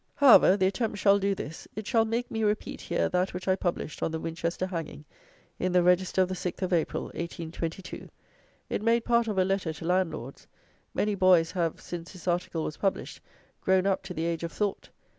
However, the attempt shall do this: it shall make me repeat here that which I published on the Winchester hanging, in the Register of the 6th of April, 1822. It made part of a "Letter to Landlords." Many boys have, since this article was published, grown up to the age of thought.